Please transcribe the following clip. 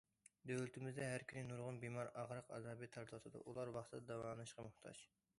دۆلىتىمىزدە ھەر كۈنى نۇرغۇن بىمار ئاغرىق ئازابى تارتىۋاتىدۇ، ئۇلار ۋاقتىدا داۋالىنىشقا موھتاج.